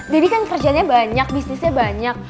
deddy kan kerjanya banyak bisnisnya banyak